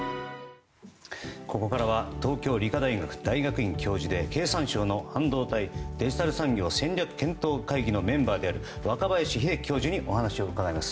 ここからは東京理科大学大学院教授で経産省の半導体・デジタル産業戦略検討会議のメンバーである若林秀樹教授にお話を伺います。